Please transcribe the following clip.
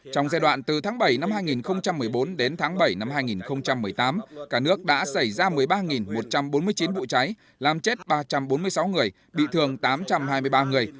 trong giai đoạn từ tháng bảy năm hai nghìn một mươi bốn đến tháng bảy năm hai nghìn một mươi tám cả nước đã xảy ra một mươi ba một trăm bốn mươi chín vụ cháy làm chết ba trăm bốn mươi sáu người bị thương tám trăm hai mươi ba người